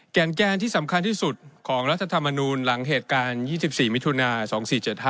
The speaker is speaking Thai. แกนที่สำคัญที่สุดของรัฐธรรมนูลหลังเหตุการณ์๒๔มิถุนา๒๔๗๕